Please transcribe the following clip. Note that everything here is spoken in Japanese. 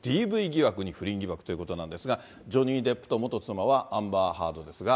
ＤＶ疑惑に不倫疑惑ということなんですが、ジョニー・デップの元妻はアンバー・ハードですが。